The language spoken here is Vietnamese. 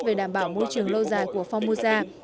về đảm bảo môi trường lâu dài của phong mua gia